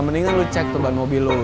mendingan lu cek tuh ban mobil lo